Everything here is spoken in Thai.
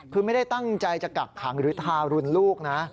คือไม่ได้ตั้งใจจะกักขังหรือทารุณลูกนะ